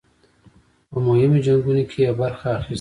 په مهمو جنګونو کې یې برخه اخیستې ده.